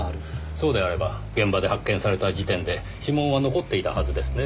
そうであれば現場で発見された時点で指紋は残っていたはずですねぇ。